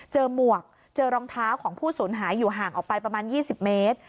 หมวกเจอรองเท้าของผู้สูญหายอยู่ห่างออกไปประมาณ๒๐เมตร